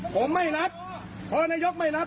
ผมไม่รับพอนายกไม่รับ